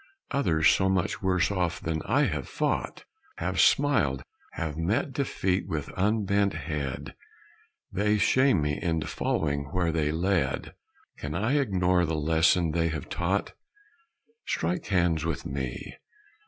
Others so much worse off than I have fought; Have smiled have met defeat with unbent head They shame me into following where they led. Can I ignore the lesson they have taught? Strike hands with me!